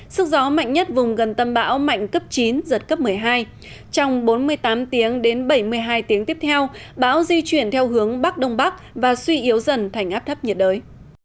sức gió mạnh nhất vùng gần tâm bão mạnh cấp chín giật cấp một mươi hai trong bốn mươi tám tiếng đến bảy mươi hai tiếng tiếp theo bão di chuyển theo hướng bắc đông bắc và suy yếu dần thành áp thấp nhiệt đới